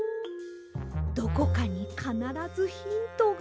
どこかにかならずヒントが。